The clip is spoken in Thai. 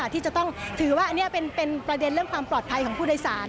ที่จะต้องถือว่าอันนี้เป็นประเด็นเรื่องความปลอดภัยของผู้โดยสาร